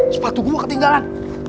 ih sepatu gua ketinggalan